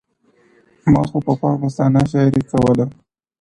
ما خو پخوا مـسـته شــاعـــري كول-